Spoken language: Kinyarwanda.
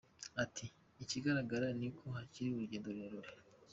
Ati “Ikigaragara ni uko hakiri urugendo rurerure.